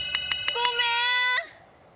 ごめん。